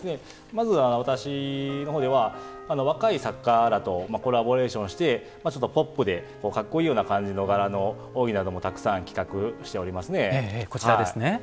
まず私のほうでは若い作家らとコラボレーションしてちょっとポップでかっこいいような柄の扇なんかも開発しておりますね。